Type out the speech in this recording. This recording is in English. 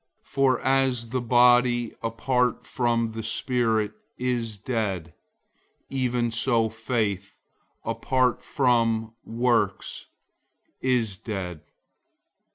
002:026 For as the body apart from the spirit is dead, even so faith apart from works is dead.